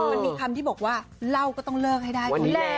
มันมีคำที่บอกว่าเล่าก็ต้องเลิกให้ได้